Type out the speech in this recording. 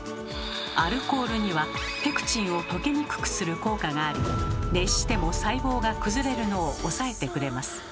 アルコールにはペクチンを溶けにくくする効果があり熱しても細胞が崩れるのを抑えてくれます。